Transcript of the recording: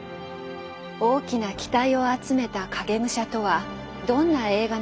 大きな期待を集めた「影武者」とはどんな映画なのか？